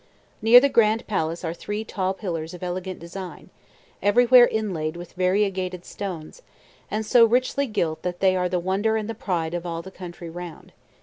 Near the Grand Palace are three tall pillars of elegant design, everywhere inlaid with variegated stones, and so richly gilt that they are the wonder and the pride of all the country round.